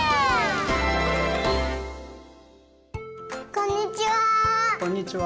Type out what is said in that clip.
こんにちは。